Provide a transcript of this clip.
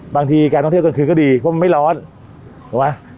บางทีการท่องเที่ยวกลางคืนก็ดีเพราะมันไม่ร้อนถูกไหม